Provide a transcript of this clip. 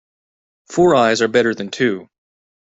Four eyes are better than two.